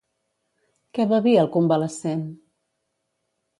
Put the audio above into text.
Què bevia el convalescent?